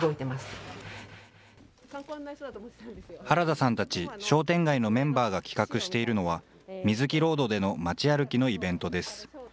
原田さんたち、商店街のメンバーが企画しているのは、水木ロードでの街歩きのイベントです。